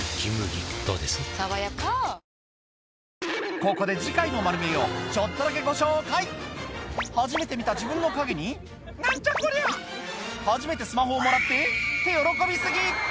ここで次回の『まる見え！』をちょっとだけご紹介初めて見た自分の影に「何じゃこりゃ」初めてスマホをもらってきゃ！って喜び過ぎ！